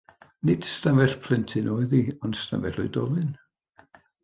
Nid stafell plentyn oedd hi ond stafell oedolyn.